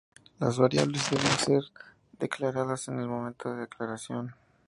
Las variables deben ser declaradas en el momento de declaración.